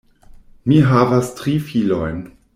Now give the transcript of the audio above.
Mi havas tri filojn.